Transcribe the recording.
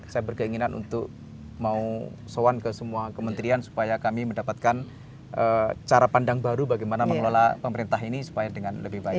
saya berkeinginan untuk mau soan ke semua kementerian supaya kami mendapatkan cara pandang baru bagaimana mengelola pemerintah ini supaya dengan lebih baik